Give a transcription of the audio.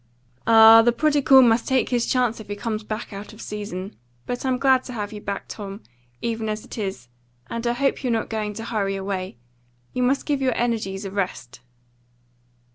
"Ah, the prodigal must take his chance if he comes back out of season. But I'm glad to have you back, Tom, even as it is, and I hope you're not going to hurry away. You must give your energies a rest."